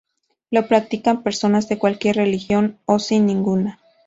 Lo practican personas de cualquier religión o sin ninguna.